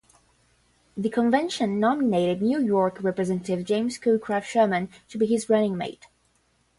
The convention nominated New York Representative James Schoolcraft Sherman to be his running mate.